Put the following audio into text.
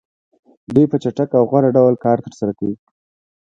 دوی په چټک او غوره ډول کار ترسره کوي